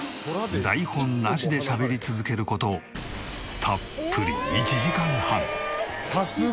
台本なしでしゃべり続ける事たっぷり１時間半。